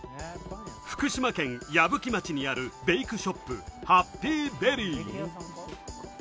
福島県矢吹町にあるベイクショップ・ハッピーベリー。